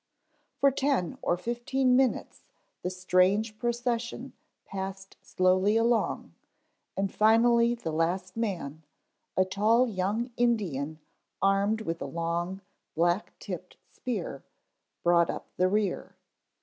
For ten or fifteen minutes the strange procession passed slowly along and finally the last man, a tall young Indian armed with a long, black tipped spear, brought up the rear.